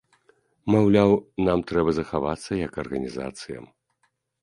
Маўляў, нам трэба захавацца як арганізацыям.